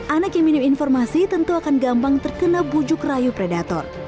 anak yang minim informasi tentu akan gampang terkena bujuk rayu predator